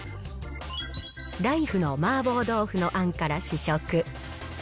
ライフの麻婆豆腐のあんから試食。